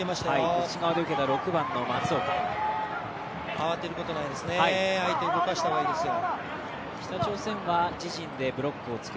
慌てることないですね、相手を動かした方がいいですよ。